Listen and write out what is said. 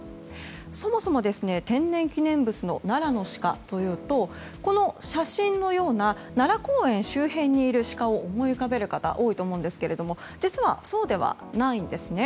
そもそも天然記念物の奈良のシカというとこの写真のような奈良公園周辺にいるシカを思い浮かべる方多いと思うんですけれども実はそうではないんですね。